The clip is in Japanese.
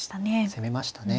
攻めましたね。